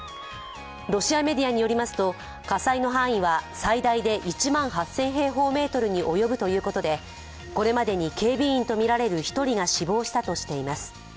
ロシアメディアによりますと火災の範囲は最大で１万８０００平方メートルに及ぶということでこれまでに警備員とみられる１人が死亡したとしています。